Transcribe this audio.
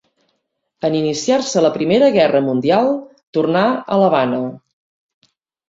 En iniciar-se la Primera Guerra Mundial tornà a l'Havana.